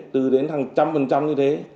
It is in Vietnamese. từ đến hàng trăm phần trăm như thế